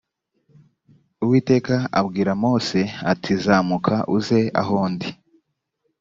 uwiteka abwira mose ati zamuka uze aho ndi